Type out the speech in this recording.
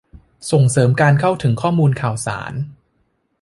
ส่งเสริมการเข้าถึงข้อมูลข่าวสาร